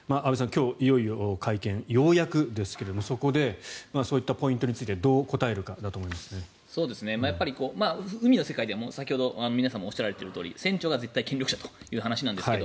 今日いよいよ会見ようやくですがそこでそういったポイントについて海の世界では先ほど皆さんもおっしゃられているとおり船長が絶対権力者という話なんですが。